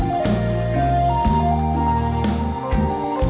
แต่ว่าเขาป้องชะกัด